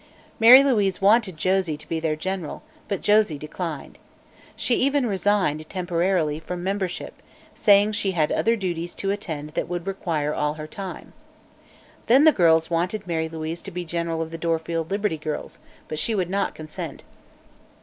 Mary Louise wanted Josie to be their general, but Josie declined. She even resigned, temporarily, from membership, saying she had other duties to attend to that would require all her time. Then the girls wanted Mary Louise to be general of the Dorfield Liberty Girls, but she would not consent.